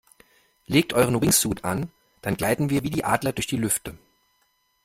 Legt euren Wingsuit an, dann gleiten wir wie die Adler durch die Lüfte!